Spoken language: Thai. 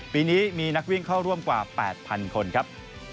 ปีนี้มีนักวิ่งเข้าร่วมกว่า๘๐๐๐คนครับ